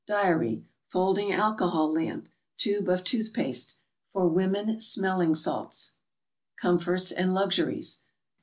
Diary. Folding alcohol lamp. Tube of tooth paste. Fur women, smelling salts. COMFORTS AND LUXURIES.